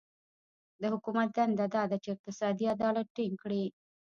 د حکومت دنده دا ده چې اقتصادي عدالت ټینګ کړي.